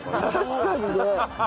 確かにね。